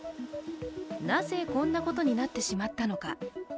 なぜこんなことになってしまったのか。